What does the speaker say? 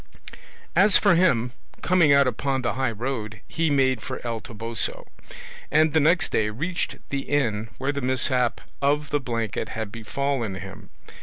As for him, coming out upon the high road, he made for El Toboso, and the next day reached the inn where the mishap of the blanket had befallen him.